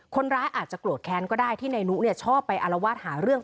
คนร้ายอาจจะโกรธแค้นก็ได้ที่นายนุชอบไปอารวาสหาเรื่อง